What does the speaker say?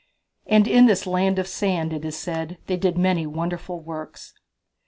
"And in this Land of Sand, it is said, they did many wonderful works."